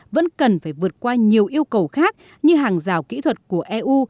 vẫn cần phải vượt qua nhiều yêu cầu khác như hàng rào kỹ thuật của eu